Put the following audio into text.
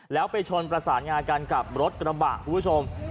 แล้วไปชนประสานงากันกับรถกระบะคุณผู้ชม